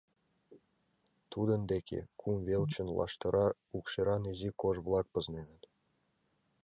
Тудын деке кум велчын лаштыра укшеран изи кож-влак пызненыт.